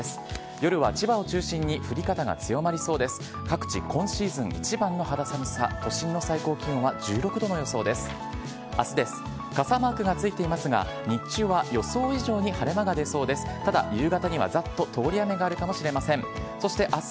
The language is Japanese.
夜は千葉を中心に降り方が強まりそうです。